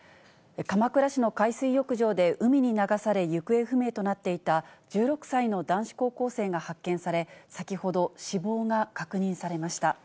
鎌倉市の海水浴場で海に流され行方不明となっていた１６歳の男子高校生が発見され、先ほど、死亡が確認されました。